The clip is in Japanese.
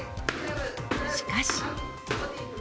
しかし。